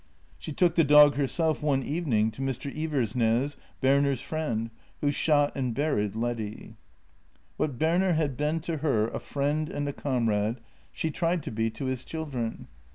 She took the dog herself one evening to Mr. Iversnaes, Berner's friend, who shot and buried Leddy. What Berner had been to her — a friend and a comrade — she tried to be to his children.